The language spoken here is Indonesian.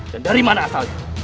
dan dari mana asalnya